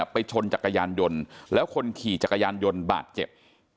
ไปชนจักรยานยนต์แล้วคนขี่จักรยานยนต์บาดเจ็บ